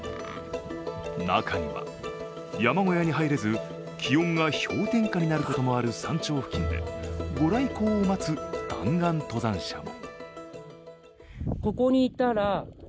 中には、山小屋に入れず気温が氷点下になることもある山頂付近で御来光を待つ弾丸登山者も。